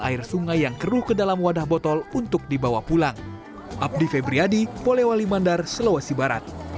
air sungai yang keruh ke dalam wadah botol untuk dibawa pulang abdif ebriyadi polewali mandar